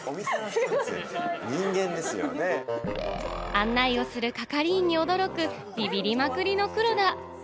案内をする係員に驚く、ビビリまくりの黒田。